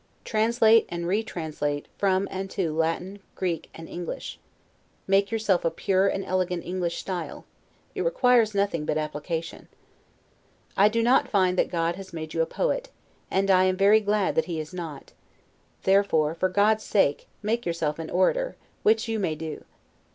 Translate and retranslate from and to Latin, Greek, and English; make yourself a pure and elegant English style: it requires nothing but application. I do not find that God has made you a poet; and I am very glad that he has not: therefore, for God's sake, make yourself an orator, which you may do.